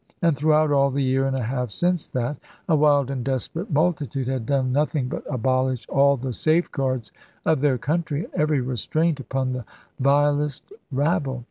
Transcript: And throughout all the year and a half since that, a wild and desperate multitude had done nothing but abolish all the safeguards of their country, and every restraint upon the vilest rabble.